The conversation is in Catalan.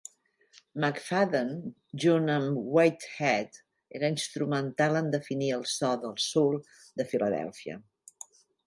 McFadden, junt amb Whitehead, era instrumental en definir el so del soul de Filadèlfia.